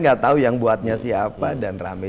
gak tahu yang buatnya siapa dan rame